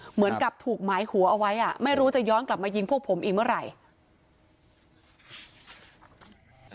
เหมือนกับถูกหมายหัวเอาไว้ไม่รู้จะย้อนกลับมายิงพวกผมอีกเมื่อไหร่